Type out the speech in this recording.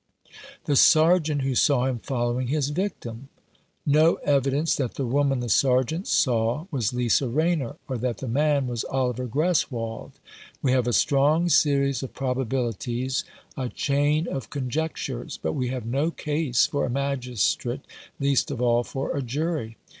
"The Sergeant who saw him following his victim ?" "No evidence that the woman the Sergeant saw was Lisa Rayner, or that the man was Oliver Greswold. We have a strong series of probabilities, a chain of conjectures ; but we have no case for a magistrate, least of all for a jury.